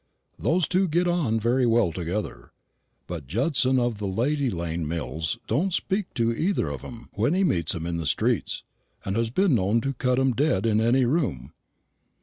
Those two get on very well together. But Judson of the Lady lane Mills don't speak to either of 'em when he meets 'em in the street, and has been known to cut 'em dead in my room.